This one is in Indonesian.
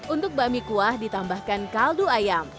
untuk bakmi kuah ditambahkan kaldu ayam